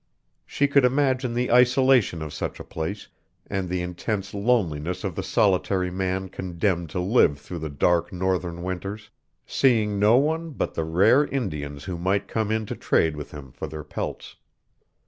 She could imagine the isolation of such a place, and the intense loneliness of the solitary man condemned to live through the dark Northern winters, seeing no one but the rare Indians who might come in to trade with him for their pelts.